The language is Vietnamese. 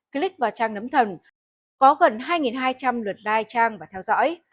click vào trang nấm thần có gần hai hai trăm linh lượt lai trang và theo dõi